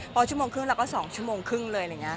พอชั่วโมงครึ่งเราก็สองชั่วโมงครึ่งเลย